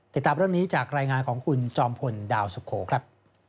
ติดตามเรื่องนี้จากรายงานของคุณจอมพลดาวสุโขครับ